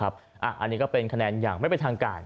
อันนี้ก็เป็นคะแนนอย่างไม่เป็นทางการ